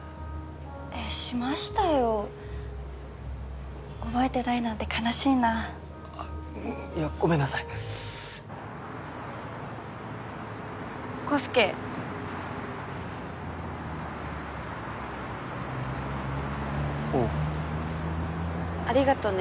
えっしましたよ覚えてないなんて悲しいなあっいやごめんなさい・康祐・おうありがとね